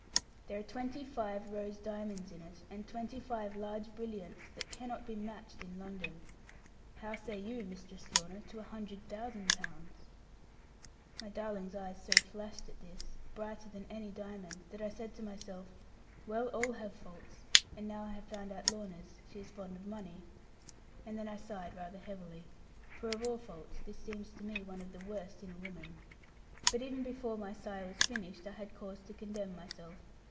'There are twenty five rose diamonds in it, and twenty five large brilliants that cannot be matched in London. How say you, Mistress Lorna, to a hundred thousand pounds?' My darling's eyes so flashed at this, brighter than any diamonds, that I said to myself, 'Well, all have faults; and now I have found out Lorna's she is fond of money!' And then I sighed rather heavily; for of all faults this seems to me one of the worst in a woman. But even before my sigh was finished, I had cause to condemn myself.